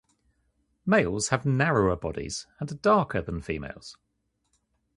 Males have narrower bodies and are darker than females.